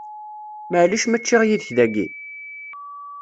Maɛlic ma ččiɣ yid-k dagi?